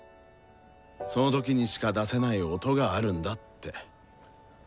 その瞬間にしか出せない「音」があるんだって。